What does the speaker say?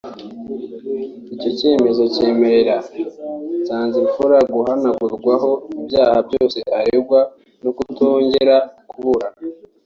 Icyo cyemezo cyemerera Nsanzimfura guhanagurwaho ibyaha byose aregwa no kutongera kuburana